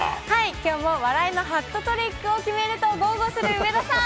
きょうも笑いのハットトリックを決めると豪語する上田さん。